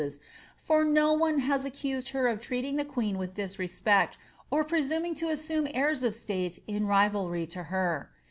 991 for no one has accused her of treating the queen with disrespect, or pre raming to assume airs of state in riralry to her.